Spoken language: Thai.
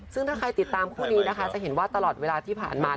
ซึ่งถ้าใครติดตามคู่นี้นะคะจะเห็นว่าตลอดเวลาที่ผ่านมา